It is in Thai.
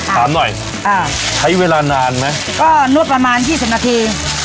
ถามหน่อยอ่าใช้เวลานานไหมก็นวดประมาณยี่สิบนาที